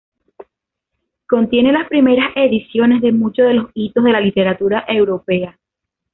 Contiene las primeras ediciones de muchos de los hitos de la literatura europea.